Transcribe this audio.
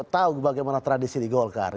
tahu bagaimana tradisi di golkar